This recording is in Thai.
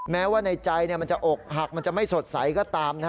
แม้ว่าในใจมันจะอกหักมันจะไม่สดใสก็ตาม